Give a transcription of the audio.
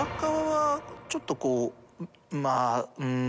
ちょっとこうまぁうん。